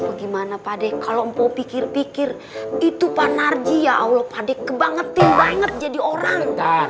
bagaimana pak deh kalau mpok pikir pikir itu pak narji ya allah padek banget tim banget jadi orang